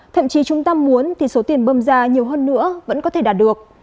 thậm chí chúng ta muốn thì số tiền bơm ra nhiều hơn nữa vẫn có thể đạt được